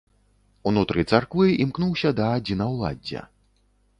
Унутры царквы імкнуўся да адзінаўладдзя.